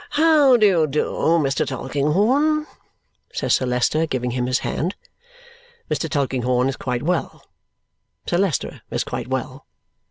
"How do you do, Mr. Tulkinghorn?" says Sir Leicester, giving him his hand. Mr. Tulkinghorn is quite well. Sir Leicester is quite well.